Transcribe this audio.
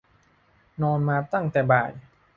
นอนมาตั้งแต่บ่าย